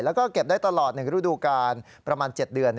แล้วก็เก็บได้ตลอด๑ฤดูกาลประมาณ๗เดือน